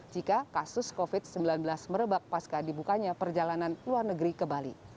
jika kasus covid sembilan belas merebak pasca dibukanya perjalanan luar negeri ke bali